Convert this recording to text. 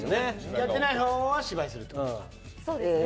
やってないほうは芝居するんですよね。